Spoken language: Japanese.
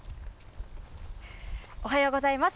おはようございます。